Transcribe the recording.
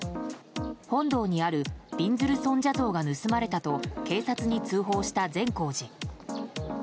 本堂にあるびんずる尊者像が盗まれたと警察に通報した善光寺。